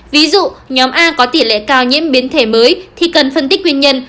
ví dụ nhóm a có tỷ lệ cao nhiễm biến thể mới thì cần phân tích nguyên nhân